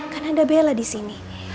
kan ada bella disini